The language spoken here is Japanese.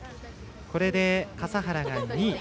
これで笠原が２位。